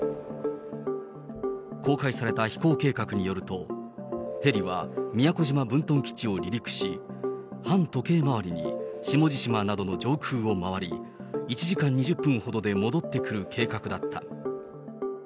公開された飛行計画によると、ヘリは、宮古島分屯基地を離陸し、反時計回りに下地島などの上空を回り、１時間２０分ほどで戻ってくる計画だった。